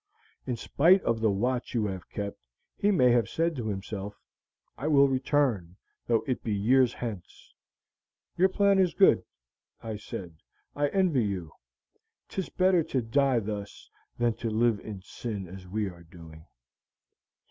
In spite of the watch you have kept he may have said to himself, "I will return, though it be years hence." Your plan is good,' I said. 'I envy you. 'Tis better to die thus than to live in sin as we are doing.'